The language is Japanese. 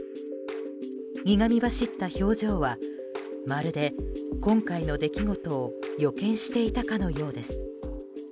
苦み走った表情はまるで今回の出来事を予見していたかのようです。